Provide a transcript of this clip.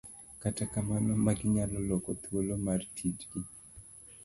kata kamano, magi nyalo loko thuolo mar tijgi